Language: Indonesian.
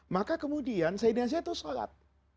maka kemudian sayyidina zaid itu sholat